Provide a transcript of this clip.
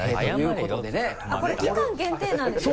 これ期間限定なんですか？